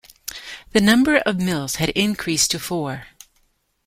The number of mills had increased to four.